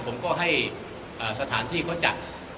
ผมก็ให้สถานที่เขาจัด